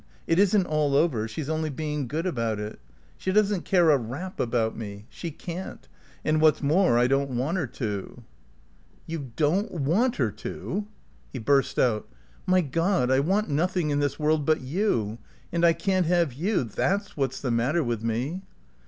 It isn't all over. She's only being good about it. She doesn't care a rap about me. She can't. And what's more I don't want her to." "You don't want her to?" He burst out. "My God, I want nothing in this world but you. And I can't have you. That's what's the matter with me."